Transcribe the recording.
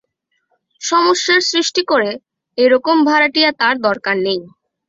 সমস্যার সৃষ্টি করে এরকম ভাড়াটিয়া তার দরকার নেই।